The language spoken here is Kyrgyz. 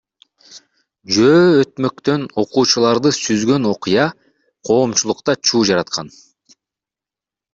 Жөө өтмөктөн окуучуларды сүзгөн окуя коомчулукта чуу жараткан.